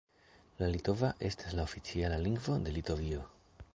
La litova estas la oficiala lingvo de Litovio.